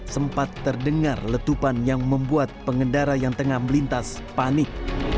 sempat terdengar letupan yang membuat pengendara yang tengah melintas panik